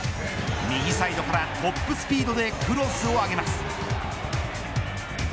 右サイドからトップスピードでクロスを上げます。